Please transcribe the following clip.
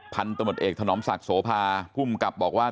พันธมตเอกถนอมศักดิ์โสภาภูมิกับบอกว่า